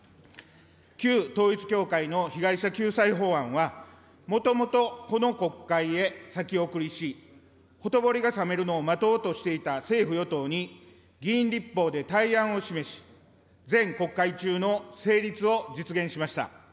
旧統一教会の被害者救済法案はもともとこの国会へ先送りし、ほとぼりが冷めるのを待とうとしていた政府・与党に、議員立法で対案を示し、前国会中の成立を実現しました。